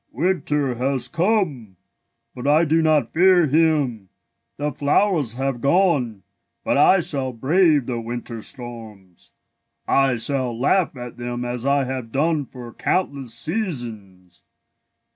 winter has come, but I do not fear him. The flowers have gone, but I shall brave the winter storms. I shall laugh at them as I have done for countless seasons.